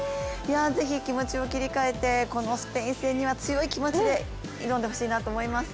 ぜひ気持ちを切り替えてこのスペイン戦には強い気持ちで挑んでほしいなと思います。